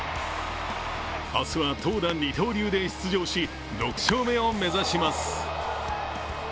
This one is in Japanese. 明日は投打二刀流で出場し、６勝目を目指します。